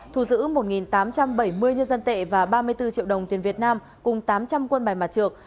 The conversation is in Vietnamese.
thu giữ một tám trăm bảy mươi nhân dân tệ và ba mươi bốn triệu đồng tiền việt nam cùng tám trăm linh quân bài mặt trược